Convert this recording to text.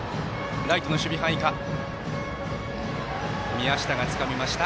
宮下がつかみました。